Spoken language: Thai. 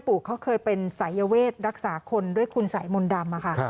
เขาเคยเป็นสายเวทรักษาคนด้วยคุณสายมนต์ดำค่ะ